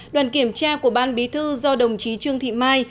đoàn kiểm tra của ban bí thư do đồng chí trương thị mai